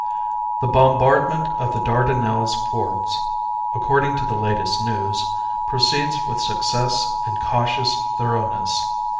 The bombardment of the Dardanelles forts, according to the latest news, proceeds with success and cautious thoroughness.